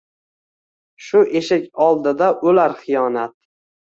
shu eshik oldida o’lar xiyonat.